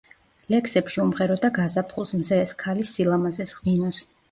ლექსებში უმღეროდა გაზაფხულს, მზეს, ქალის სილამაზეს, ღვინოს.